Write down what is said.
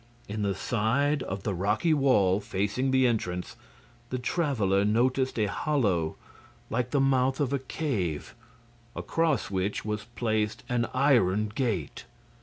In the side of the rocky wall facing the entrance the traveler noticed a hollow, like the mouth of a cave, across which was placed an iron gate.